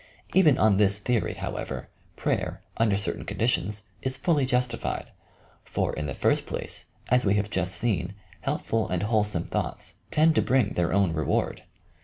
Even on this theory, however, prayer, under certain conditions, is fully justified; for, in the first place, as we have just seen, helpful and whole some thoughts tend to bring their own reward.